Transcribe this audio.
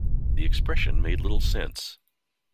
The expression made little sense.